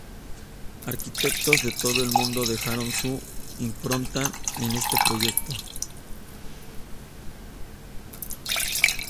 Arquitectos de todo el mundo dejaron su impronta en este proyecto.